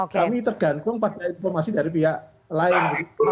kami tergantung pada informasi dari pihak lain